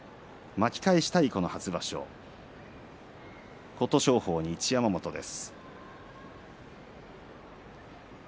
巻き返したい初場所、琴勝峰に一山本です。